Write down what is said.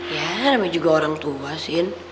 ya namanya juga orang tua sin